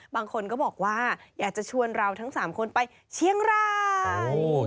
บางคนก็บอกว่าอยากจะชวนเราทั้ง๓คนไปเชียงราย